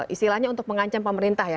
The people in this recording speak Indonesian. istilahnya untuk mengancam pemerintah ya